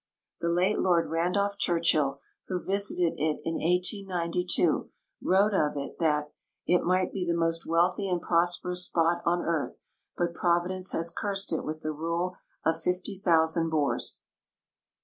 The late Lord Kandolph Churchill, who vis ited it in 1892, wrote of it that " it might be the most wealthy and prosperous spot on earth, but Providence has cursed it with the rule of fifty thousand Boers."